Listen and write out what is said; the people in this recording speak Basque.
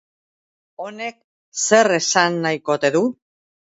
Honek zer esan nahiko ote du?